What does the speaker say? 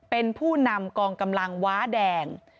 เป็นผู้นำกองกำลังว้าแดง